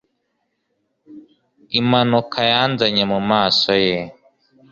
Impanuka yanzanye mumaso ye